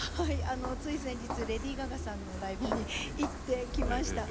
つい先日レディー・ガガさんのライブに行ってきました。